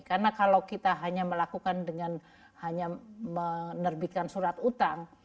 karena kalau kita hanya melakukan dengan hanya menerbitkan surat utang